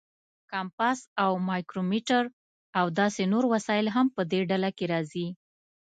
کمپاس او مایکرومیټر او داسې نور وسایل هم په دې ډله کې راځي.